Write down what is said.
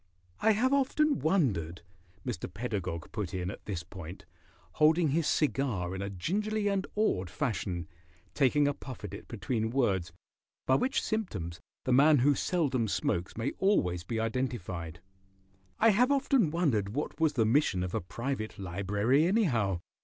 "I have often wondered," Mr. Pedagog put in at this point, holding his cigar in a gingerly and awed fashion, taking a puff at it between words, by which symptoms the man who seldom smokes may always be identified, "I have often wondered what was the mission of a private library, anyhow.